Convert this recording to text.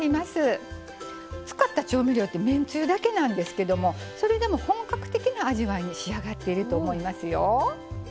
使った調味料ってめんつゆだけなんですけどもそれでも本格的な味わいに仕上がっていると思いますよ。